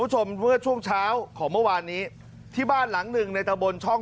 คุณผู้ชมเมื่อช่วงเช้าของเมื่อวานนี้ที่บ้านหลังหนึ่งในตะบนช่อง